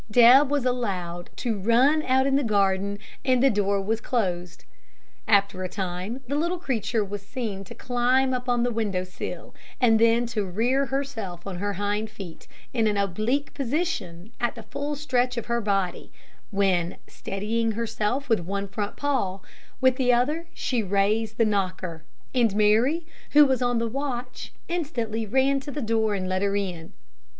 Deb was allowed to ran out in the garden, and the door was closed. After a time the little creature was seen to climb up on the window sill, and then to rear herself on her hind feet, in an oblique position at the full stretch of her body, when, steadying herself with one front paw, with the other she raised the knocker; and Mary, who was on the watch, instantly ran to the door and let her in.